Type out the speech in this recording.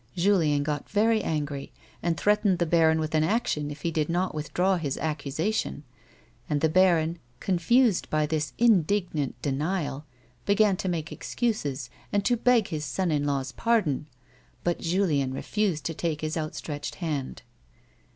Julien got very angry, and threatened the baron with an action if he did not withdraw his accusation ; and the baron, confused by this indignant denial, began to make excuses and to beg his son in law's pardon ; but Julien refused to take his outstretched hand.